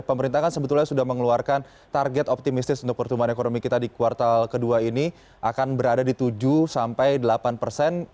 pemerintah kan sebetulnya sudah mengeluarkan target optimistis untuk pertumbuhan ekonomi kita di kuartal kedua ini akan berada di tujuh sampai delapan persen